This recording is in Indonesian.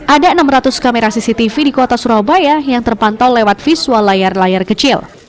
ada enam ratus kamera cctv di kota surabaya yang terpantau lewat visual layar layar kecil